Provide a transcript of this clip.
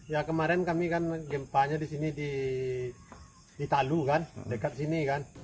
ya kemarin kami kan gempanya di sini di talu kan dekat sini kan